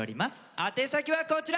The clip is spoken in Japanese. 宛先はこちら！